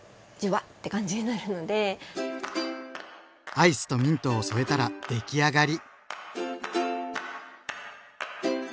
アイスとミントを添えたら出来上がり。